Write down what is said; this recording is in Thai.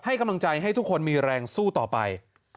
ให้กำลังใจให้ทุกคนมีแรงสู้ต่อไป